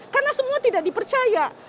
karena semua tidak dipercaya